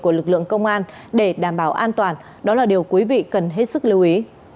của lực lượng công an để đảm bảo an toàn đó là điều quý vị cần hết sức lưu ý